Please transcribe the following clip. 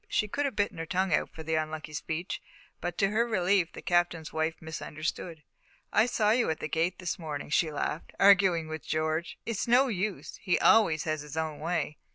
She could have bitten her tongue out for the unlucky speech, but, to her relief, the Captain's wife misunderstood. "I saw you at the gate this morning," she laughed, "arguing with George. It's no use he always has his own way."